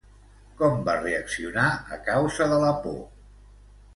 Com va reaccionar, a causa de la por?